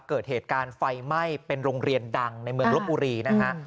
เกิดเหตุการณ์ไฟไหม้เป็นโรงเรียนดังในเมืองลบบุรีนะฮะ